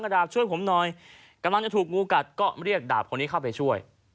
ดาบช่วยผมหน่อยกำลังจะถูกงูกัดก็เรียกดาบคนนี้เข้าไปช่วย